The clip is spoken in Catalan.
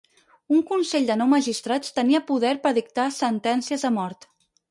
Un consell de nou magistrats tenia poder per dictar sentències de mort.